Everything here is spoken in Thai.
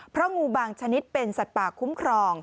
เพราะงูบางชนิดเป็นสัตว์ป่าคุ้มครอง